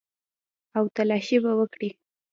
او تلاشي به وکړي.